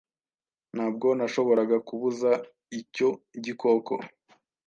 Ntabwo nashoboraga kubuza icyo gikoko